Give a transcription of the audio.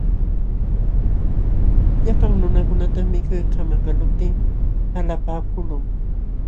Llapa nunakunatam mikuy kamakaqluptin qalapaakuqlun.